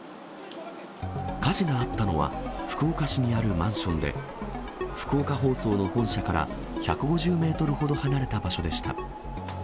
火事があったのは、福岡市にあるマンションで、福岡放送の本社から１５０メートルほど離れた場所でした。